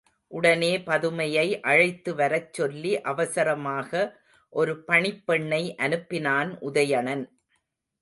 உடனே பதுமையை அழைத்து வரச் சொல்லி அவசரமாக ஒரு பணிப்பெண்ணை அனுப்பினான் உதயணன்.